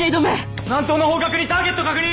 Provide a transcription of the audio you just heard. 南東の方角にターゲット確認。